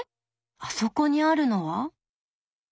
あそこにあるのは？